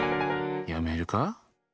やめるか？